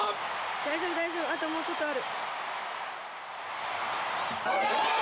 大丈夫、大丈夫、あともうちょっとある。